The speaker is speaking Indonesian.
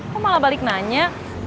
kau malah balik nanya